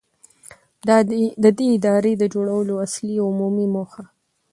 ، د دې ادارې د جوړولو اصلي او عمومي موخه.